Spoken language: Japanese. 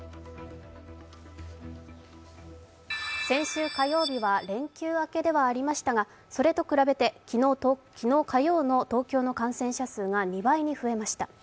先週火曜日は連休明けではありましたがそれと比べて昨日火曜の東京の感染者数が２倍に増えました。